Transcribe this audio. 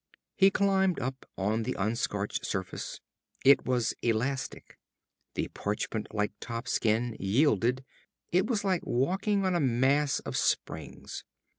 He climbed up on the unscorched surface. It was elastic. The parchment like top skin yielded. It was like walking on a mass of springs.